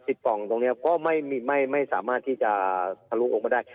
ปล่องตรงนี้ก็ไม่สามารถที่จะทะลุออกมาได้